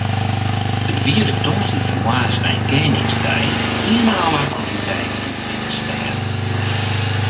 It wie de tongersdeitemoarns nei Keningsdei ien en al aktiviteit yn de binnenstêd.